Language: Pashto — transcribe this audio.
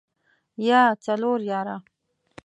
يا څلور ياره.